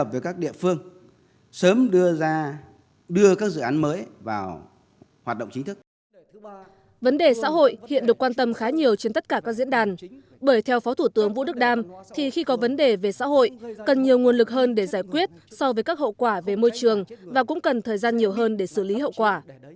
vấn đề xã hội hiện được quan tâm khá nhiều trên tất cả các diễn đàn bởi theo phó thủ tướng vũ đức đam thì khi có vấn đề về xã hội cần nhiều nguồn lực hơn để giải quyết so với các hậu quả về môi trường và cũng cần thời gian nhiều hơn để xử lý hậu quả